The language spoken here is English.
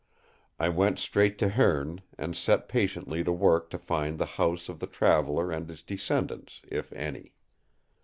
I went straight to Hoorn, and set patiently to work to find the house of the traveller and his descendants, if any.